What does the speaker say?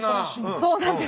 そうなんですよ。